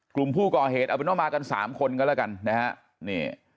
กลุ่มผู้ก่อเหตุเอาเป็นว่ามากันสามคนก็แล้วกันนะฮะนี่